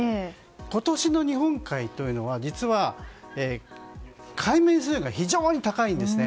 今年の日本海というのは実は海面水温が非常に高いんですね。